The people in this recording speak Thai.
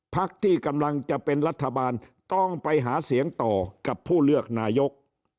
พักที่กำลังจะเป็นรัฐบาลต้องไปหาเสียงต่อกับผู้เลือกนายก